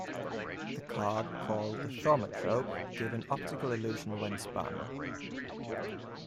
The card, called the "Thaumatrope", gave an optical illusion when spun.